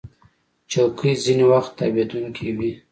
چوکۍ ځینې وخت تاوېدونکې وي.